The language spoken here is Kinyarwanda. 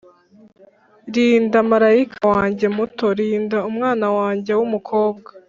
rinda marayika wanjye muto; rinda umwana wanjye wumukobwa.